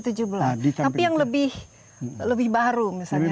tapi yang lebih baru misalnya